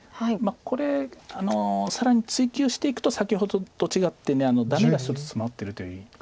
これ更に追及していくと先ほどと違ってダメが１つツマってるという。